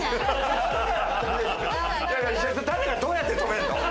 誰がどうやって止めるの？